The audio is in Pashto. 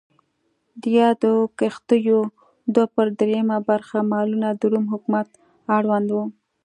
د یادو کښتیو دوه پر درېیمه برخه مالونه د روم حکومت اړوند و.